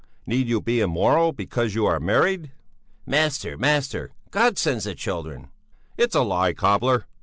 Need you be immoral because you are married?" "Master, master! God sends the children." "It's a lie, cobbler!